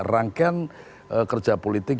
rangkaian kerja politik